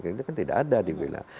ini kan tidak ada